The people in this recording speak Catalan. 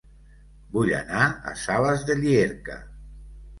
Vull anar a Sales de Llierca